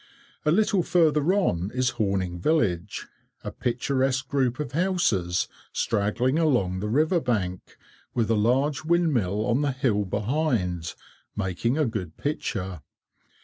A little further on is Horning village, a picturesque group of houses, straggling along the river bank, with a large windmill on the hill behind, making a good picture.